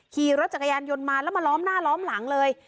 ขี่รถจักรยานยนต์มาแล้วมาล้อมหน้าล้อมหลังเลย